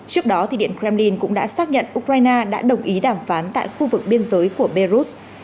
trước đó điện kremlin cũng đã xác nhận ukraine đã đồng ý đàm phán tại khu vực biên giới của belarus